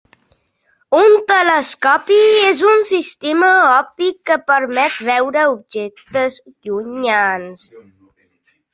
Un telescopi és un sistema òptic que permet veure objectes llunyans.